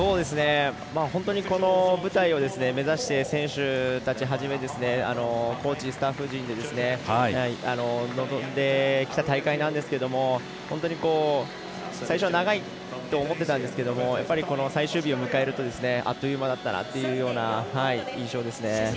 本当にこの舞台を目指して選手たちコーチ、スタッフ陣で臨んできた大会なんですけれども最初は長いって思ってたんですけどこの最終日を迎えるとあっという間という印象ですね。